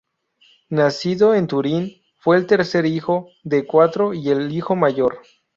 Nacido en Turín, fue el tercer hijo, de cuatro y el hijo mayor.